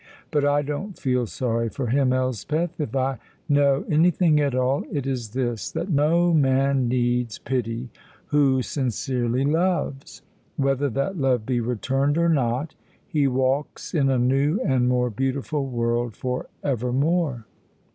But I don't feel sorry for him, Elspeth. If I know anything at all, it is this: that no man needs pity who sincerely loves; whether that love be returned or not, he walks in a new and more beautiful world for evermore."